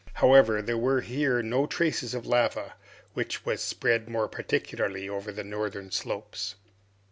However, there were here no traces of lava, which was spread more particularly over the northern slopes.